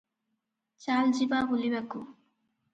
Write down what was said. ଚାଲ ଯିବା ବୁଲିବାକୁ